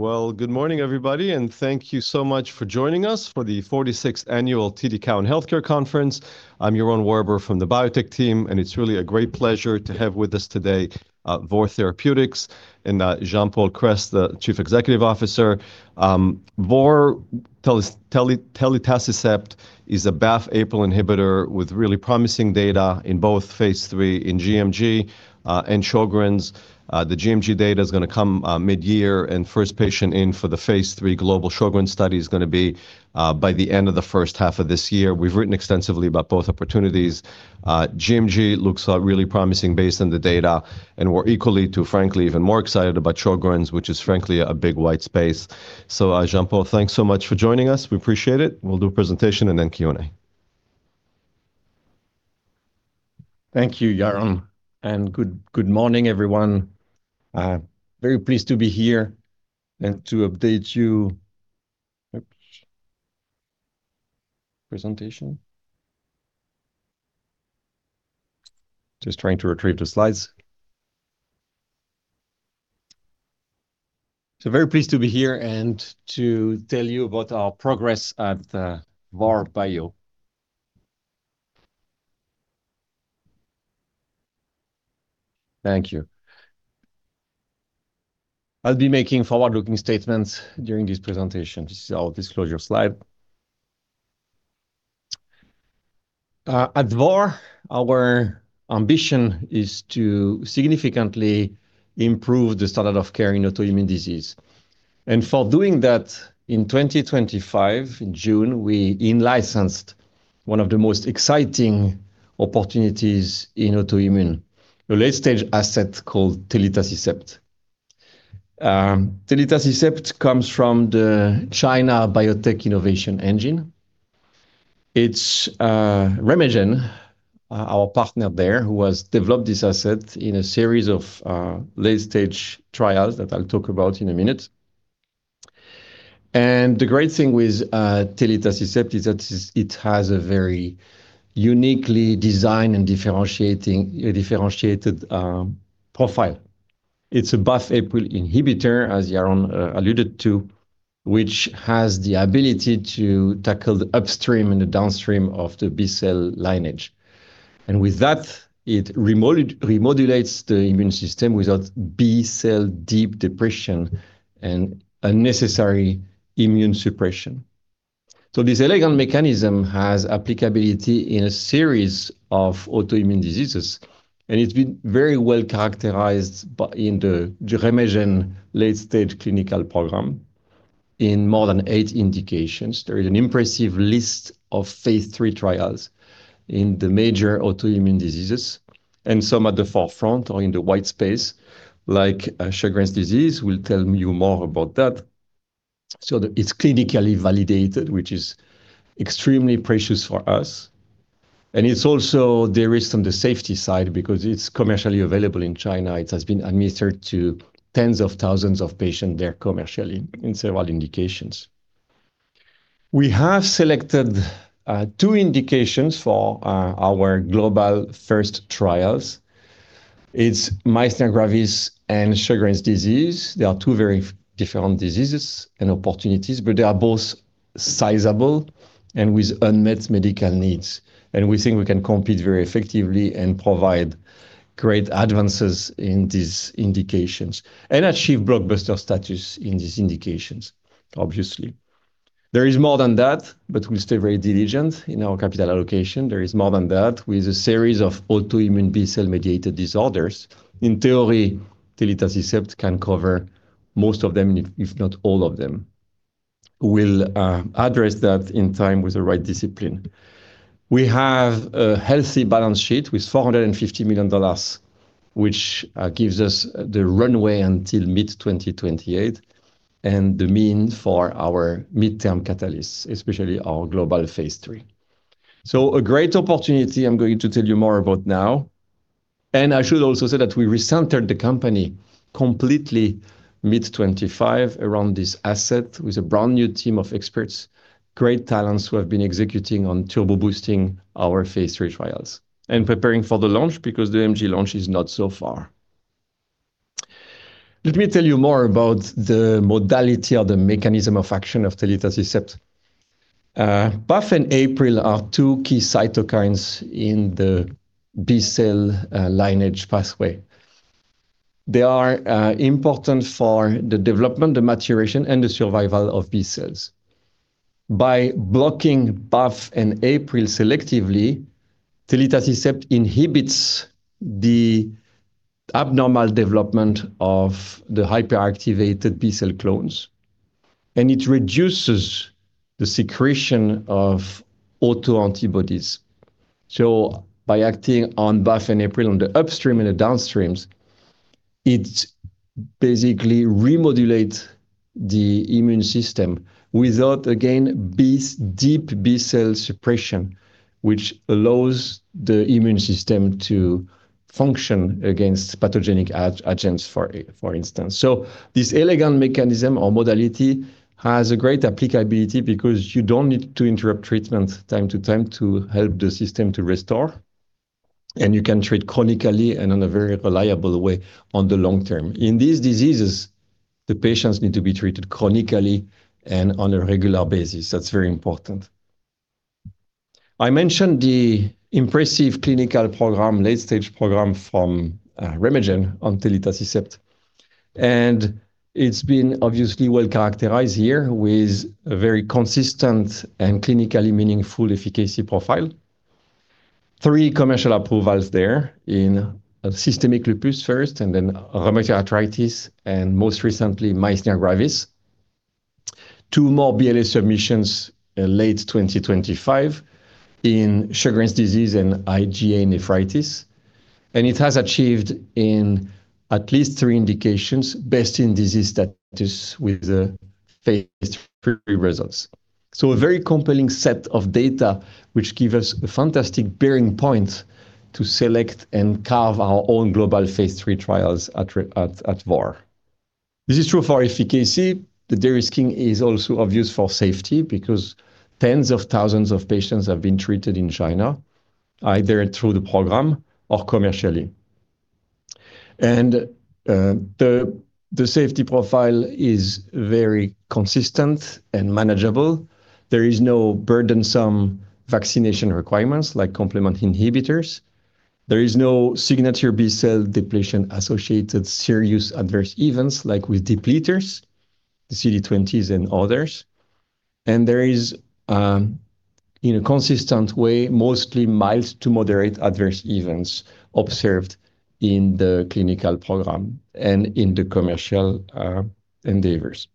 Well, good morning everybody, and thank you so much for joining us for the 46th annual TD Cowen Healthcare Conference. I'm Yaron Werber from the Biotech team, and it's really a great pleasure to have with us today, Vor Biopharma and Jean-Paul Kress, the Chief Executive Officer. Telitacicept is a BAFF/APRIL inhibitor with really promising data in both phase III in gMG and Sjögren's. The gMG data is gonna come mid-year and first patient in for the phase III global Sjögren's study is gonna be by the end of the first half of this year. We've written extensively about both opportunities. gMG looks really promising based on the data, and we're equally to frankly even more excited about Sjögren's, which is frankly a big white space. Jean-Paul, thanks so much for joining us. We appreciate it. We'll do a presentation and then Q&A. Thank you, Yaron. Good morning, everyone. Very pleased to be here to update you. Oops. Presentation. Just trying to retrieve the slides. Very pleased to be here and to tell you about our progress at Vor Bio. Thank you. I'll be making forward-looking statements during this presentation. This is our disclosure slide. At Vor, our ambition is to significantly improve the standard of care in autoimmune disease. For doing that, in 2025, in June, we in-licensed one of the most exciting opportunities in autoimmune, a late-stage asset called telitacicept. Telitacicept comes from the China biotech innovation engine. It's RemeGen, our partner there, who has developed this asset in a series of late-stage trials that I'll talk about in a minute. The great thing with telitacicept is that it has a very uniquely designed and differentiated profile. It's a BAFF/APRIL inhibitor, as Yaron alluded to, which has the ability to tackle the upstream and the downstream of the B-cell lineage. With that, it remodulates the immune system without B-cell deep depression and unnecessary immune suppression. This elegant mechanism has applicability in a series of autoimmune diseases, and it's been very well characterized by in the RemeGen late stage clinical program in more than eight indications. There is an impressive list of phase three trials in the major autoimmune diseases and some at the forefront or in the white space like Sjögren's disease. We'll tell you more about that. It's clinically validated, which is extremely precious for us. It's also de-risked on the safety side because it's commercially available in China. It has been administered to tens of thousands of patients there commercially in several indications. We have selected two indications for our global first trials. It's myasthenia gravis and Sjögren's disease. They are two very different diseases and opportunities, but they are both sizable and with unmet medical needs. We think we can compete very effectively and provide great advances in these indications and achieve blockbuster status in these indications, obviously. There is more than that, but we stay very diligent in our capital allocation. There is more than that with a series of autoimmune B-cell-mediated disorders. In theory, Telitacicept can cover most of them, if not all of them. We'll address that in time with the right discipline. We have a healthy balance sheet with $450 million, which gives us the runway until mid 2028 and the means for our midterm catalysts, especially our global phase three. A great opportunity I'm going to tell you more about now. I should also say that we recentered the company completely mid 2025 around this asset with a brand new team of experts, great talents who have been executing on turbo boosting our phase three trials and preparing for the launch because the MG launch is not so far. Let me tell you more about the modality or the mechanism of action of telitacicept. BAFF and APRIL are two key cytokines in the B-cell lineage pathway. They are important for the development, the maturation, and the survival of B-cells. By blocking BAFF and APRIL selectively, telitacicept inhibits the abnormal development of the hyperactivated B-cell clones, and it reduces the secretion of autoantibodies. By acting on BAFF and APRIL on the upstream and the downstreams, it basically remodulates the immune system without, again, deep B-cell suppression, which allows the immune system to function against pathogenic agents, for instance. This elegant mechanism or modality has a great applicability because you don't need to interrupt treatment time to time to help the system to restore. You can treat chronically and in a very reliable way on the long term. In these diseases, the patients need to be treated chronically and on a regular basis. That's very important. I mentioned the impressive clinical program, late stage program from RemeGen on telitacicept, and it's been obviously well characterized here with a very consistent and clinically meaningful efficacy profile. Three commercial approvals there in systemic lupus first and then rheumatoid arthritis and most recently myasthenia gravis. Two more BLA submissions in late 2025 in Sjögren's disease and IgA nephropathy. It has achieved in at least three indications best-in-disease status with the phase III results. A very compelling set of data which give us a fantastic bearing point to select and carve our own global phase III trials at Vor. This is true for efficacy. The de-risking is also obvious for safety because tens of thousands of patients have been treated in China, either through the program or commercially. The safety profile is very consistent and manageable. There is no burdensome vaccination requirements like complement inhibitors. There is no signature B-cell depletion-associated serious adverse events like with depleters, the CD20s and others. There is, in a consistent way, mostly mild to moderate adverse events observed in the clinical program and in the commercial endeavors.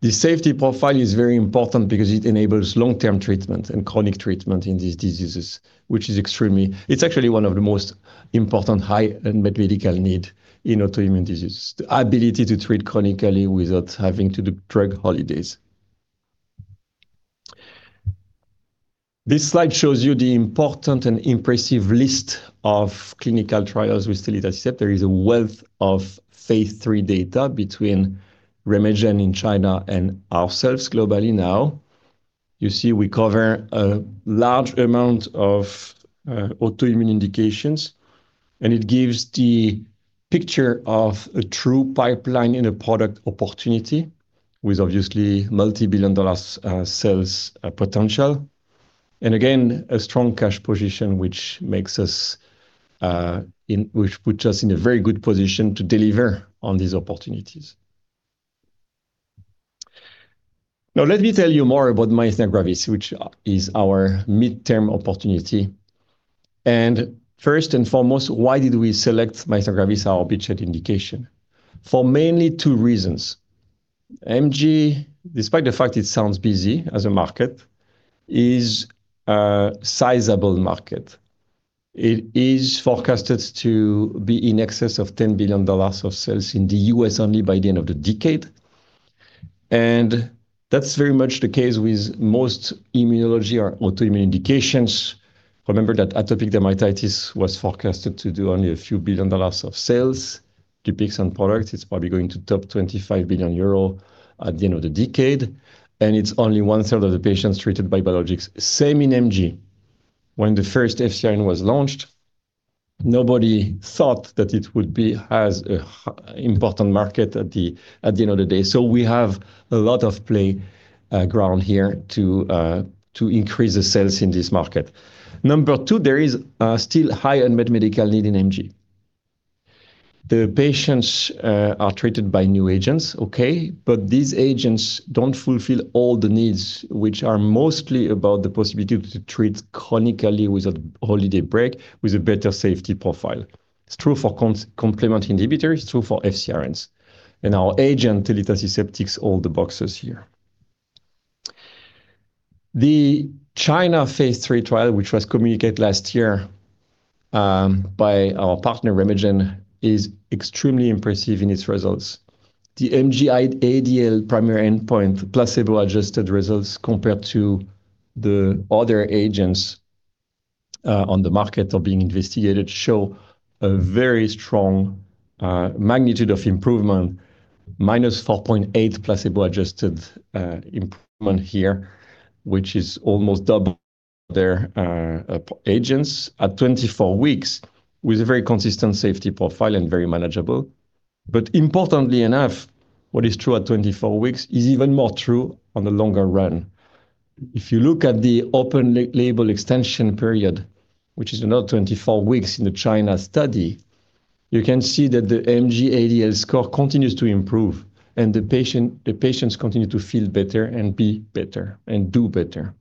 The safety profile is very important because it enables long-term treatment and chronic treatment in these diseases, which is actually one of the most important high unmet medical need in autoimmune disease. The ability to treat chronically without having to do drug holidays. This slide shows you the important and impressive list of clinical trials with telitacicept. There is a wealth of phase III data between RemeGen in China and ourselves globally now. You see we cover a large amount of autoimmune indications, and it gives the picture of a true pipeline in a product opportunity with obviously multi-billion dollars sales potential. Again, a strong cash position which makes us, which puts us in a very good position to deliver on these opportunities. Now, let me tell you more about myasthenia gravis, which is our midterm opportunity. First and foremost, why did we select myasthenia gravis, our beachhead indication? For mainly two reasons. MG, despite the fact it sounds busy as a market, is a sizable market. It is forecasted to be in excess of $10 billion of sales in the U.S. only by the end of the decade. That's very much the case with most immunology or autoimmune indications. Remember that atopic dermatitis was forecasted to do only a few billion dollars of sales. DUPIXENT product is probably going to top 25 billion euro at the end of the decade, and it's only one-third of the patients treated by biologics. Same in MG. When the first FcRn was launched, nobody thought that it would be as important market at the end of the day. We have a lot of playground here to increase the sales in this market. Number two, there is still high unmet medical need in MG. The patients are treated by new agents, okay? These agents don't fulfill all the needs, which are mostly about the possibility to treat chronically with a holiday break with a better safety profile. It's true for complement inhibitors, it's true for FcRn. Our agent telitacicept ticks all the boxes here. The China phase III trial, which was communicated last year by our partner RemeGen, is extremely impressive in its results. The MG-ADL primary endpoint placebo-adjusted results compared to the other agents on the market or being investigated show a very strong magnitude of improvement, -4.8 placebo-adjusted improvement here, which is almost double their agents at 24 weeks with a very consistent safety profile and very manageable. Importantly enough, what is true at 24 weeks is even more true on the longer run. If you look at the open label extension period, which is another 24 weeks in the China study, you can see that the MG-ADL score continues to improve, and the patients continue to feel better and be better and do better.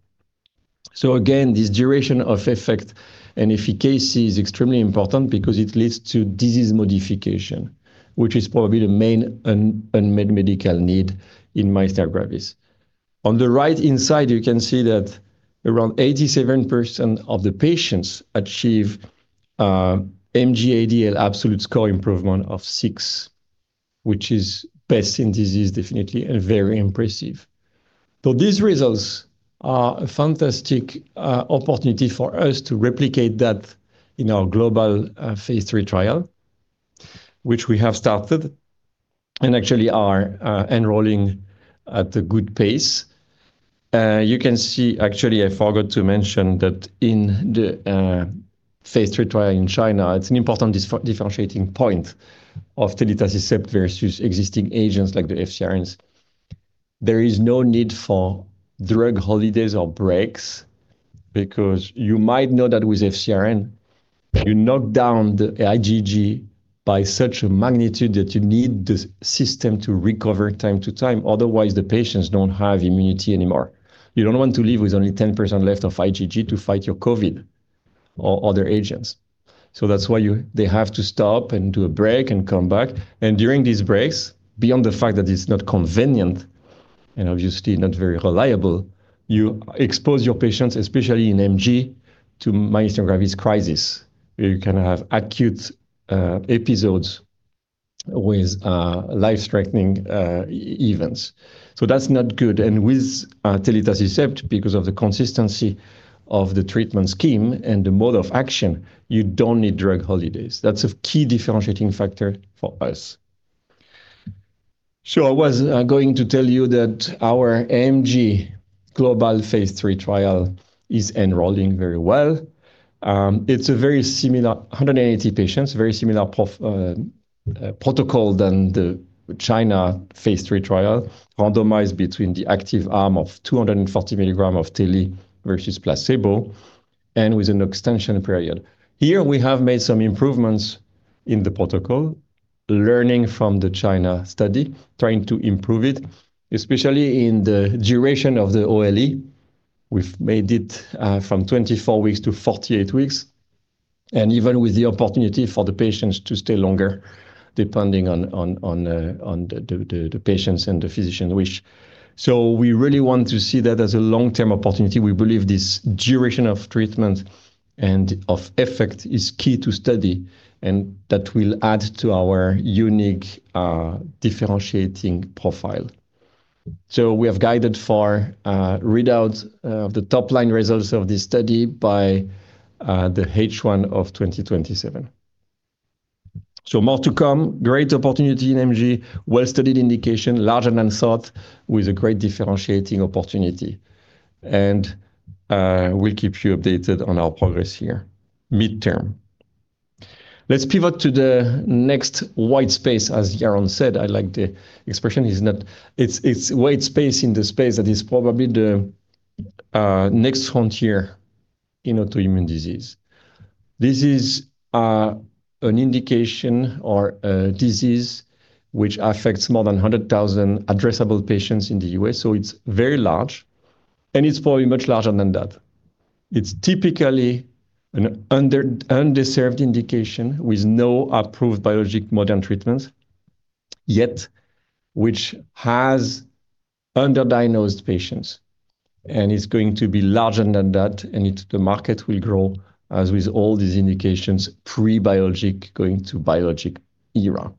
Again, this duration of effect and efficacy is extremely important because it leads to disease modification, which is probably the main unmet medical need in myasthenia gravis. On the right-hand side, you can see that around 87% of the patients achieve MG-ADL absolute score improvement of 6, which is best in disease definitely and very impressive. These results are a fantastic opportunity for us to replicate that in our global phase III trial. We have started and actually are enrolling at a good pace. You can see... Actually, I forgot to mention that in the phase III trial in China, it's an important differentiating point of telitacicept versus existing agents like the FcRns. There is no need for drug holidays or breaks because you might know that with FcRn, you knock down the IgG by such a magnitude that you need the system to recover time to time, otherwise the patients don't have immunity anymore. You don't want to live with only 10% left of IgG to fight your COVID or other agents. That's why they have to stop and do a break and come back. During these breaks, beyond the fact that it's not convenient and obviously not very reliable, you expose your patients, especially in MG, to myasthenia gravis crisis, where you can have acute episodes with life-threatening events. That's not good. With telitacicept, because of the consistency of the treatment scheme and the mode of action, you don't need drug holidays. That's a key differentiating factor for us. I was going to tell you that our MG global phase III trial is enrolling very well. It's a very similar 180 patients, very similar protocol than the China phase III trial, randomized between the active arm of `240 mg of telitacicept versus placebo and with an extension period. Here we have made some improvements in the protocol, learning from the China study, trying to improve it, especially in the duration of the OLE. We've made it from 24 weeks to 48 weeks, and even with the opportunity for the patients to stay longer, depending on the patients and the physician wish. We really want to see that as a long-term opportunity. We believe this duration of treatment and of effect is key to study, and that will add to our unique, differentiating profile. We have guided for readouts of the top-line results of this study by the H1 of 2027. More to come. Great opportunity in MG. Well-studied indication, larger than thought, with a great differentiating opportunity. We'll keep you updated on our progress here midterm. Let's pivot to the next white space, as Yaron said. I like the expression. It's white space in the space that is probably the next frontier in autoimmune disease. This is an indication or a disease which affects more than 100,000 addressable patients in the U.S., so it's very large, and it's probably much larger than that. It's typically an underserved indication with no approved biologic modern treatments yet, which has underdiagnosed patients and is going to be larger than that. The market will grow as with all these indications, pre-biologic going to biologic era.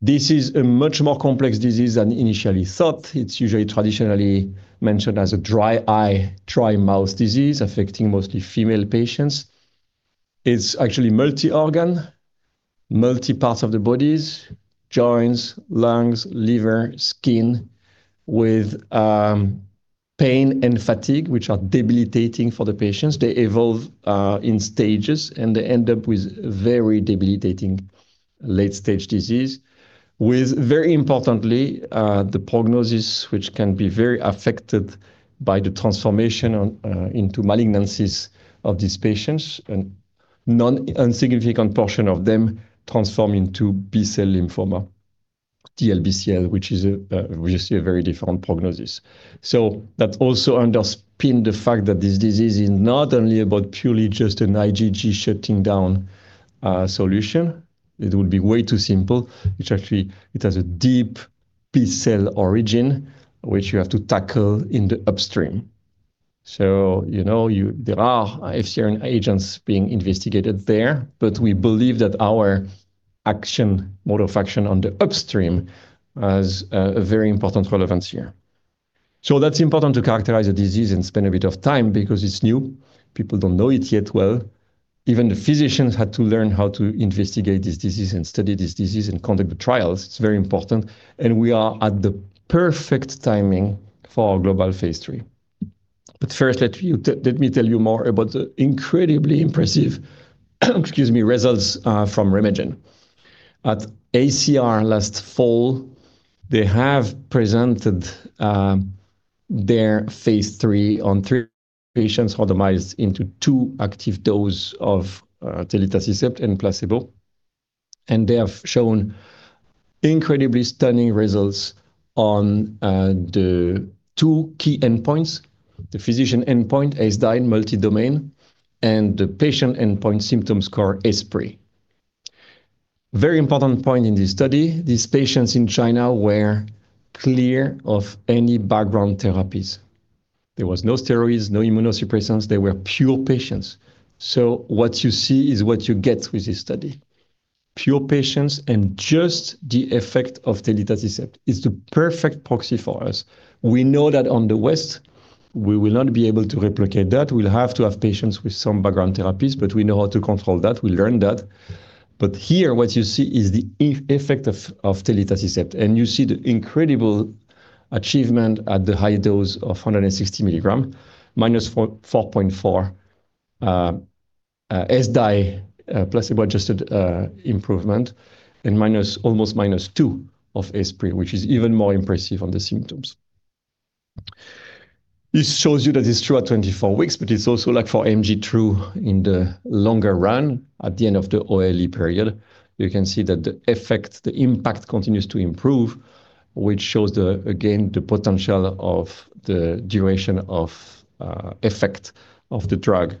This is a much more complex disease than initially thought. It's usually traditionally mentioned as a dry eye, dry mouth disease affecting mostly female patients. It's actually multi-organ, multi parts of the bodies, joints, lungs, liver, skin with pain and fatigue, which are debilitating for the patients. They evolve in stages, and they end up with very debilitating late-stage disease with very importantly, the prognosis which can be very affected by the transformation into malignancies of these patients, and insignificant portion of them transform into B-cell lymphoma, DLBCL, which is a very different prognosis. That also underpin the fact that this disease is not only about purely just an IgG shutting down solution. It would be way too simple, which actually it has a deep B-cell origin which you have to tackle in the upstream. You know, there are FcRn agents being investigated there, but we believe that our action, mode of action on the upstream has a very important relevance here. That's important to characterize the disease and spend a bit of time because it's new. People don't know it yet well. Even the physicians had to learn how to investigate this disease and study this disease and conduct the trials. It's very important, and we are at the perfect timing for our global phase III. First, let me tell you more about the incredibly impressive, excuse me, results from RemeGen. At ACR last fall, they have presented their phase III on three patients randomized into two active dose of telitacicept and placebo, and they have shown incredibly stunning results on the two key endpoints, the physician endpoint, ESSDAI multidomain, and the patient endpoint symptom score, ESSPRI. Very important point in this study, these patients in China were clear of any background therapies. There was no steroids, no immunosuppressants. They were pure patients. What you see is what you get with this study. Pure patients and just the effect of telitacicept. It's the perfect proxy for us. We know that on the West, we will not be able to replicate that. We'll have to have patients with some background therapies, but we know how to control that. We learned that. Here what you see is the effect of telitacicept, and you see the incredible achievement at the high dose of 160 mg, -4.4 ESSDAI placebo-adjusted improvement and almost -2 of ESSPRI, which is even more impressive on the symptoms. This shows you that it's true at 24 weeks, but it's also like for MG true in the longer run. At the end of the OLE period, you can see that the effect, the impact continues to improve, which shows the again, the potential of the duration of effect of the drug.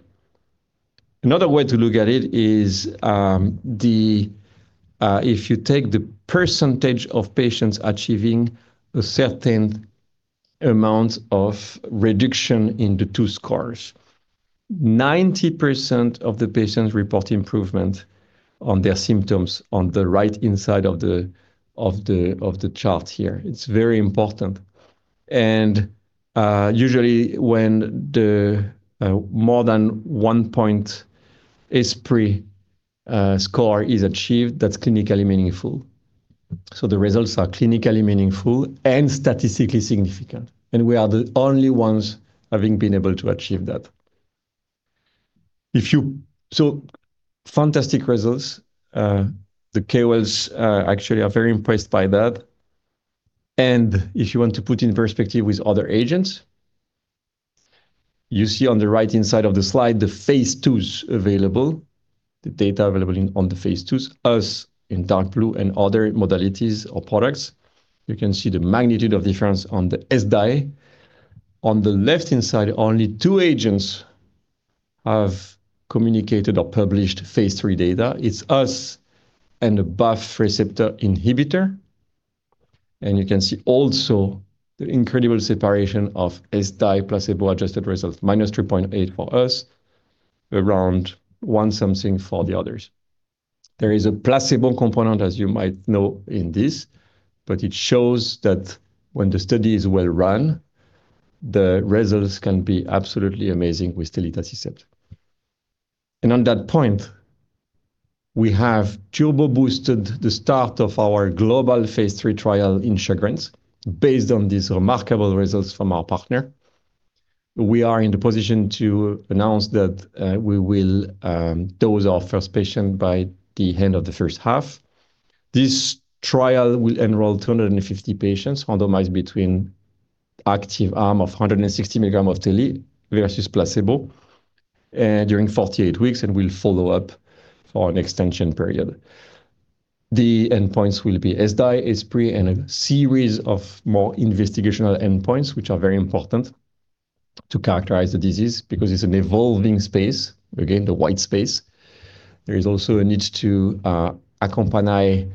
Another way to look at it is, if you take the % of patients achieving a certain amount of reduction in the 2 scores. 90% of the patients report improvement on their symptoms on the right-hand side of the chart here. It's very important. Usually when the more than 1 point ESSPRI score is achieved, that's clinically meaningful. The results are clinically meaningful and statistically significant, and we are the only ones having been able to achieve that. Fantastic results. The KOLs actually are very impressed by that. If you want to put in perspective with other agents, you see on the right-hand side of the slide the phase twos available, the data available on the phase twos, us in dark blue and other modalities or products. You can see the magnitude of difference on the ESSDAI. On the left-hand side, only two agents have communicated or published phase three data. It's us and a BAFF receptor inhibitor. You can see also the incredible separation of ESSDAI placebo-adjusted results, minus 3.8 for us, around 1 something for the others. There is a placebo component, as you might know, in this, but it shows that when the study is well run, the results can be absolutely amazing with telitacicept. On that point, we have turbo boosted the start of our global phase III trial in Sjögren's based on these remarkable results from our partner. We are in the position to announce that we will dose our first patient by the end of the first half. This trial will enroll 250 patients randomized between active arm of 160 mg of Teli versus placebo during 48 weeks, and we'll follow up for an extension period. The endpoints will be ESSDAI, axSpA, and a series of more investigational endpoints, which are very important to characterize the disease because it's an evolving space. Again, the white space. There is also a need to accompany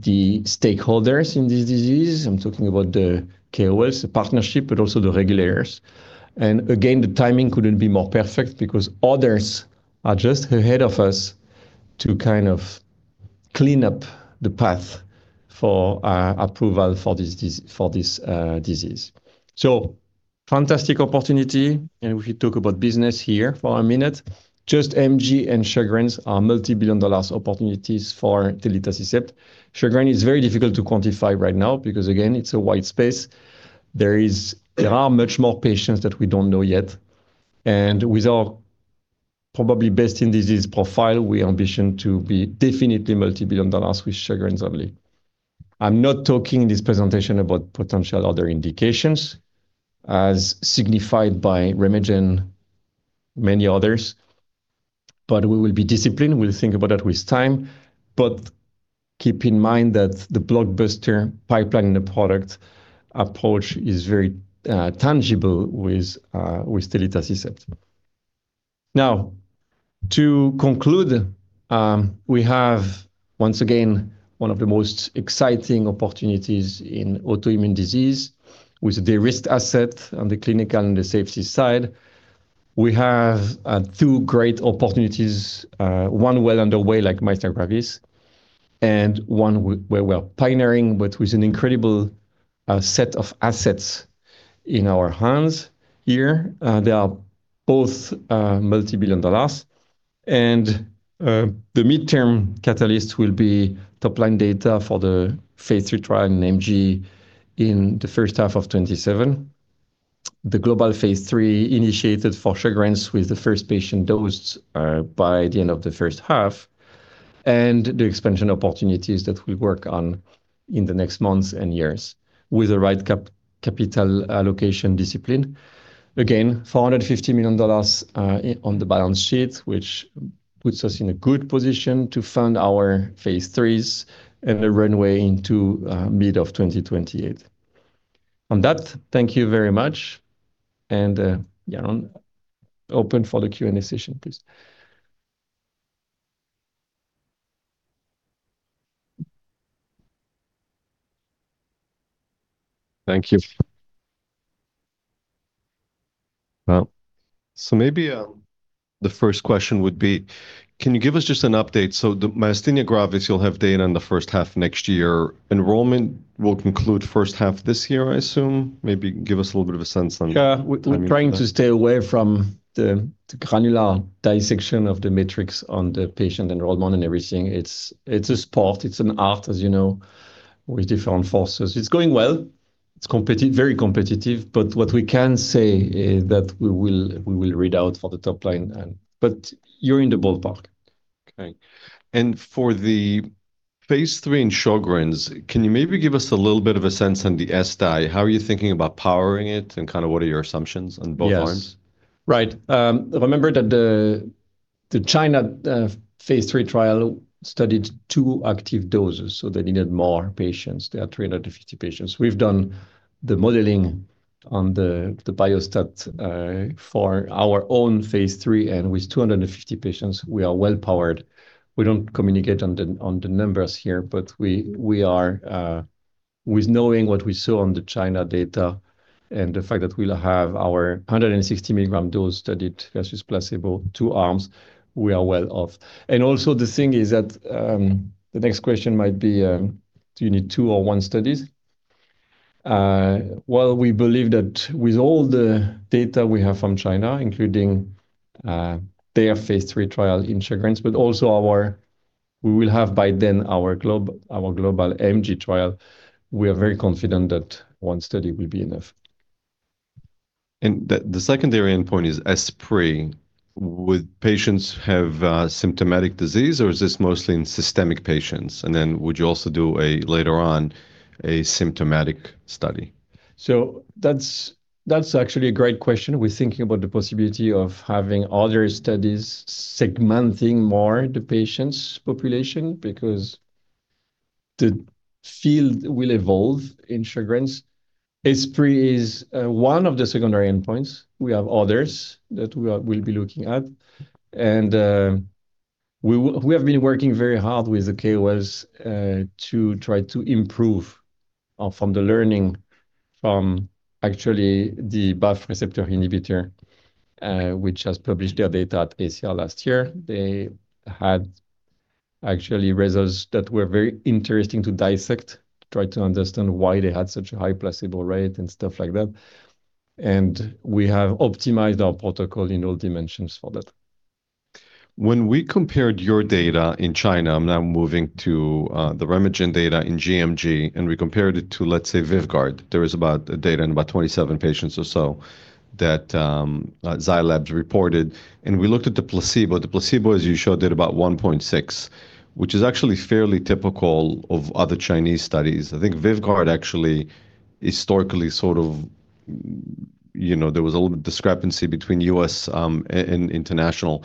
the stakeholders in this disease. I'm talking about the KOLs, the partnership, but also the regulators. The timing couldn't be more perfect because others are just ahead of us to kind of clean up the path for approval for this disease. Fantastic opportunity, and we talk about business here for a minute. Just MG and Sjögren's are multi-billion dollars opportunities for telitacicept. Sjögren's is very difficult to quantify right now because, again, it's a wide space. There are much more patients that we don't know yet. With our probably best in disease profile, we ambition to be definitely multi-billion dollars with Sjögren's only. I'm not talking in this presentation about potential other indications as signified by RemeGen, many others, but we will be disciplined. We'll think about that with time. Keep in mind that the blockbuster pipeline, the product approach is very tangible with telitacicept. To conclude, we have once again one of the most exciting opportunities in autoimmune disease with de-risked asset on the clinical and the safety side. We have two great opportunities, one well underway like myasthenia gravis and one we're pioneering, but with an incredible set of assets in our hands here. They are both multi-billion dollars. The midterm catalyst will be top-line data for the phase III trial in MG in the first half of 2027. The global phase III initiated for Sjögren's with the first patient dosed by the end of the first half, and the expansion opportunities that we work on in the next months and years with the right capital allocation discipline. Again, $450 million on the balance sheet, which puts us in a good position to fund our phase IIIs and the runway into mid of 2028. On that, thank you very much. Open for the Q&A session, please. Thank you. Maybe, the first question would be, can you give us just an update? The myasthenia gravis, you'll have data in the first half next year. Enrollment will conclude first half this year, I assume. Maybe give us a little bit of a sense. Yeah. We're trying to stay away from the granular dissection of the metrics on the patient enrollment and everything. It's a sport. It's an art, as you know, with different forces. It's going well. It's very competitive, but what we can say is that we will read out for the top line. You're in the ballpark. Okay. For the phase III in Sjögren's, can you maybe give us a little bit of a sense on the ESSDAI? How are you thinking about powering it and kind of what are your assumptions on both arms? Yes. Right. Remember that the China phase III trial studied two active doses, they needed more patients. They had 350 patients. We've done the modeling on the biostatistics for our own phase III, with 250 patients, we are well powered. We don't communicate on the numbers here, we are with knowing what we saw on the China data and the fact that we'll have our 160 mg dose studied versus placebo, two arms, we are well off. The thing is that the next question might be, do you need two or one studies? We believe that with all the data we have from China, including their phase III trial in Sjögren's, our... We will have by then our global gMG trial. We are very confident that one study will be enough. The secondary endpoint is ESSPRI. Would patients have symptomatic disease, or is this mostly in systemic patients? Would you also do a, later on, a symptomatic study? That's actually a great question. We're thinking about the possibility of having other studies segmenting more the patients' population because the field will evolve in Sjögren's. ESSPRI is one of the secondary endpoints. We have others that we'll be looking at. We have been working very hard with the KOLs to try to improve from the learning from actually the BAFF receptor inhibitor, which has published their data at ACR last year. They had actually results that were very interesting to dissect, to try to understand why they had such a high placebo rate and stuff like that. We have optimized our protocol in all dimensions for that. When we compared your data in China, I'm now moving to the RemeGen data in gMG, and we compared it to, let's say, Vyvgart. There is about data in about 27 patients or so that Zai Lab reported, and we looked at the placebo. The placebo, as you showed, did about 1.6, which is actually fairly typical of other Chinese studies. I think Vyvgart actually historically sort of, you know, there was a little discrepancy between U.S. and international.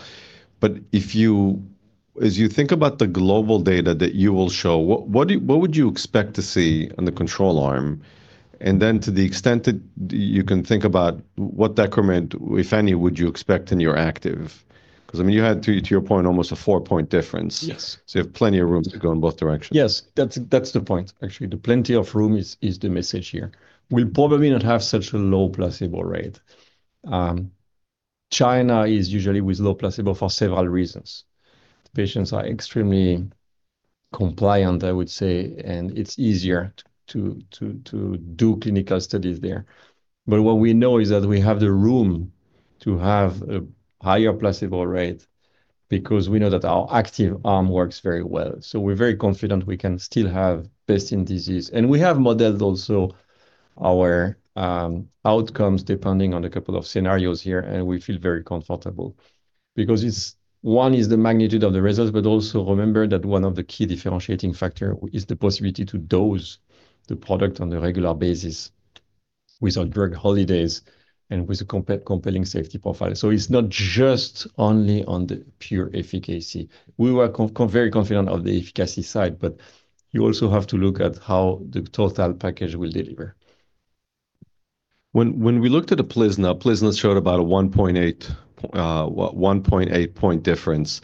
As you think about the global data that you will show, what would you expect to see on the control arm? To the extent that you can think about what decrement, if any, would you expect in your active? 'Cause I mean, you had to your point, almost a 4-point difference. Yes. You have plenty of room to go in both directions. Yes. That's, that's the point. Actually, the plenty of room is the message here. We'll probably not have such a low placebo rate. China is usually with low placebo for several reasons. The patients are extremely compliant, I would say, and it's easier to do clinical studies there. But what we know is that we have the room to have a higher placebo rate because we know that our active arm works very well. So we're very confident we can still have best in disease. And we have modeled also our outcomes depending on a couple of scenarios here, and we feel very comfortable. Because it's, one is the magnitude of the results, but also remember that one of the key differentiating factor is the possibility to dose the product on a regular basis without drug holidays and with a compelling safety profile. It's not just only on the pure efficacy. We were very confident of the efficacy side, but you also have to look at how the total package will deliver. When we looked at UPLIZNA showed about a 1.8 point difference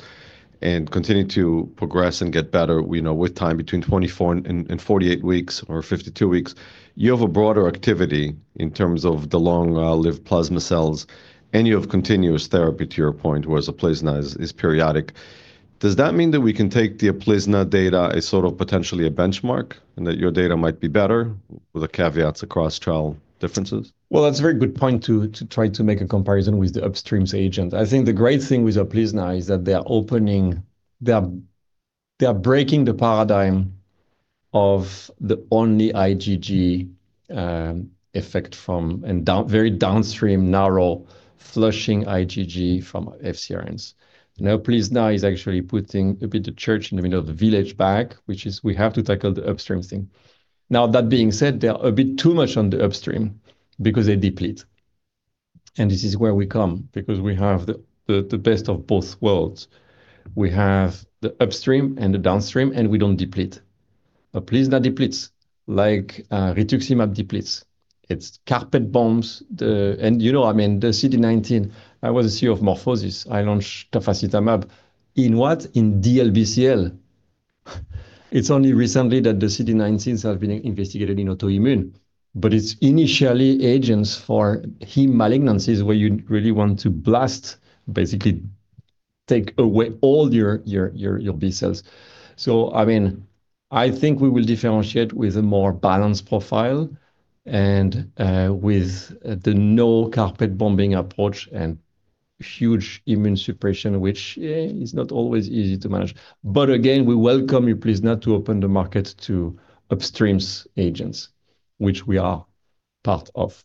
and continued to progress and get better, we know, with time between 24 and 48 weeks or 52 weeks. You have a broader activity in terms of the long lived plasma cells, and you have continuous therapy, to your point, whereas UPLIZNA is periodic. Does that mean that we can take the UPLIZNA data as sort of potentially a benchmark and that your data might be better with the caveats across trial differences? Well, that's a very good point to try to make a comparison with the upstream's agent. I think the great thing with UPLIZNA is that they are opening. They are breaking the paradigm of the only IgG effect from and very downstream narrow flushing IgG from FcRn. You know, UPLIZNA is actually putting a bit of church in the middle of the village back, which is we have to tackle the upstream thing. Now that being said, they are a bit too much on the upstream because they deplete. This is where we come because we have the best of both worlds. We have the upstream and the downstream, and we don't deplete. UPLIZNA depletes like Rituximab depletes. It's carpet bombs. You know, I mean, the CD19, I was a CEO of MorphoSys. I launched tafasitamab. In what? In DLBCL. It's only recently that the CD19s have been investigated in autoimmune. It's initially agents for Heme malignancies where you really want to blast, basically take away all your B-cells. I mean, I think we will differentiate with a more balanced profile and with the no carpet bombing approach and huge immune suppression, which is not always easy to manage. We welcome UPLIZNA to open the market to upstream's agents, which we are part of.